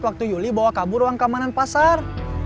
waktu yuli bawa kabur ruang keamanan pasar